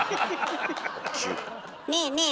ねえねえ